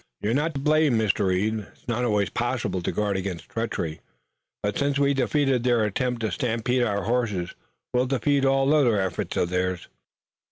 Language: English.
"You're not to blame, Mr. Reed. It's not always possible to guard against treachery, but since we've defeated their attempt to stampede our horses we'll defeat all other efforts of theirs."